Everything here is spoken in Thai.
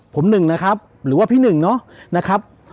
ผม๑หรือว่าพี่นึงนะครับ